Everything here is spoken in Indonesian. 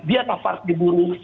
biar tak harus diburu